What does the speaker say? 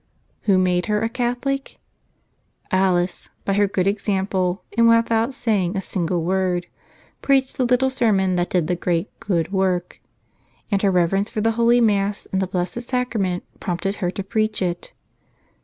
Who made her a Catholic? Alice, by her good ex¬ ample and without saying a single word, preached the little sermon that did the great, good work. And her reverence for the Holy Mass and the Blessed Sac¬ rament prompted her to preach it.